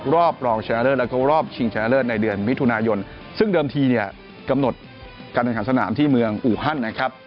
รอบรองชนะเลิศแล้วก็รอบชิงชนะเลิศในเดือนมิถุนายนซึ่งเดิมทีเนี่ยกำหนดการแข่งขันสนามที่เมืองอูฮันนะครับ